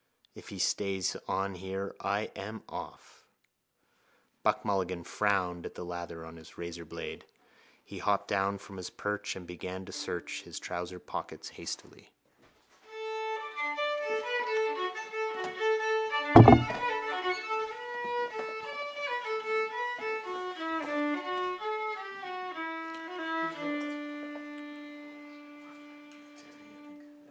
If he stays on here I am off. Buck Mulligan frowned at the lather on his razorblade. He hopped down from his perch and began to search his trouser pockets hastily.